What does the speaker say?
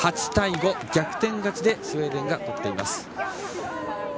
８対５、逆転勝ちでスウェーデンが取っています。